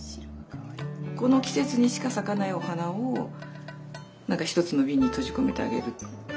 この季節にしか咲かないお花を何か一つのビンに閉じ込めてあげる。